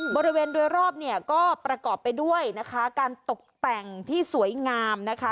บริเวณโดยรอบเนี่ยก็ประกอบไปด้วยนะคะการตกแต่งที่สวยงามนะคะ